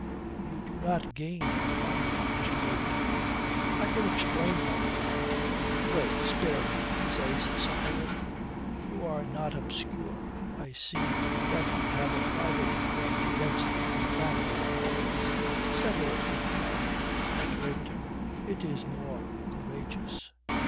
You do not gain upon me, Mr. Waverton." "I can explain, my lord " "Pray, spare me," says Sunderland. "You are not obscure. I see that you have a private grudge against the family of Boyce. Settle it in private, Mr. Waverton. It is more courageous."